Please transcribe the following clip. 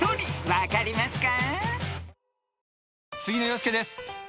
分かりますか？］